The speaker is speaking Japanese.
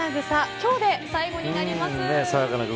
今日で最後になります。